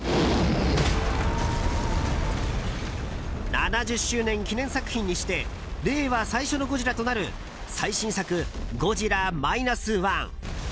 ７０周年記念作品にして令和最初の「ゴジラ」となる最新作「ゴジラ−１．０」。